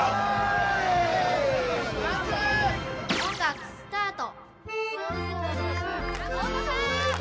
音楽スタート